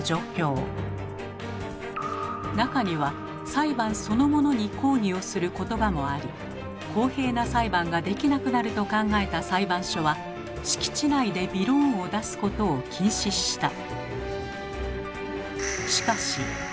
中には裁判そのものに抗議をする言葉もあり公平な裁判ができなくなると考えた裁判所は敷地内でびろーんを出すことを禁止した。